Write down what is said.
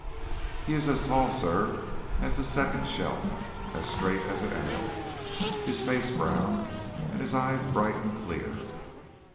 He is as tall, sir, as the second shelf, as straight as an arrow, his face brown, and his eyes bright and clear.